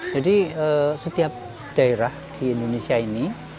jadi setiap daerah di indonesia ini